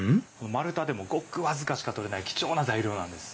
丸太でもごく僅かしかとれない貴重な材料なんです。